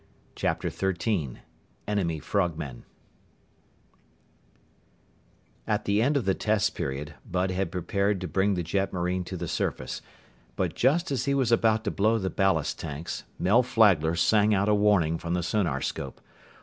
CHAPTER XIII ENEMY FROGMEN At the end of the test period, Bud had prepared to bring the jetmarine to the surface. But just as he was about to blow the ballast tanks, Mel Flagler sang out a warning from the sonarscope.